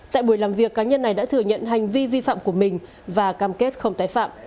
tại buổi làm việc cá nhân này đã thừa nhận hành vi vi phạm của mình và cam kết không tái phạm